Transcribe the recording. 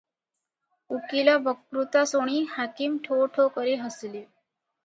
ଉକୀଲ ବକ୍ତୃତା ଶୁଣି ହାକିମ ଠୋ ଠୋ କରି ହସିଲେ ।